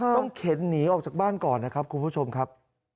เข็นหนีออกจากบ้านก่อนนะครับคุณผู้ชมครับ